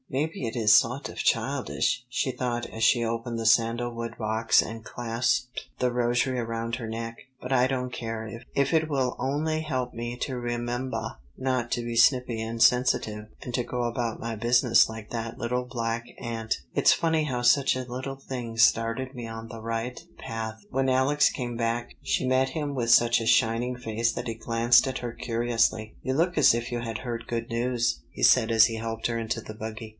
"Maybe it is sawt of childish," she thought as she opened the sandal wood box and clasped the rosary around her neck. "But I don't care, if it will only help me to remembah not to be snippy and sensitive and to go about my business like that little black ant. It's funny how such a little thing started me on the right path." When Alex came back she met him with such a shining face that he glanced at her curiously. "You look as if you had heard good news," he said as he helped her into the buggy.